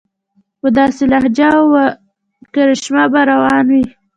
په داسې لهجه او واعظانه کرشمه به روان وي.